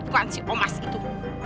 tukan si omas itu